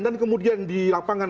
dan kemudian di lapangan itu